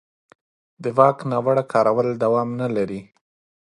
د واک ناوړه کارول دوام نه لري